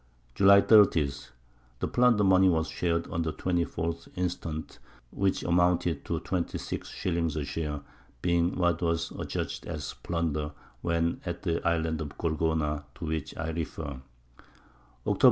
July 30. The Plunder Money was shar'd on the 24th Instant, which amounted to 26 Shillings a share, being what was adjudg'd as Plunder, when at the Island Gorgona, to which I refer. _Octob.